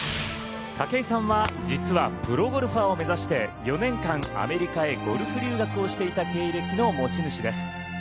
武井さんは実はプロゴルファーを目指して４年間アメリカへゴルフ留学をしていた経歴の持ち主です。